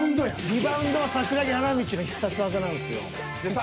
リバウンドは桜木花道の必殺技なんですよ。